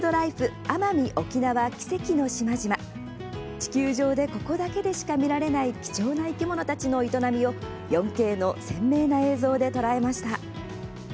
地球上でここだけでしか見られない貴重な生き物たちの営みを４Ｋの鮮明な映像で捉えました。